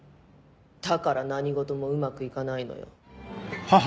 だから何事もうまく行かないのよ。